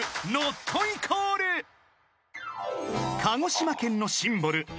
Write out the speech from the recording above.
［鹿児島県のシンボル